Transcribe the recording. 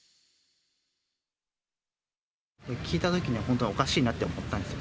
聞いたときには本当、おかしいなと思ったんですよ。